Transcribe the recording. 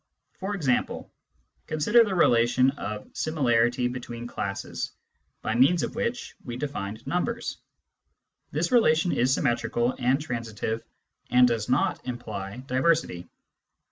For example, consider the relation of similarity between classes, by means of which we defined numbers. This relation is sym metrical and transitive and does not imply diversity.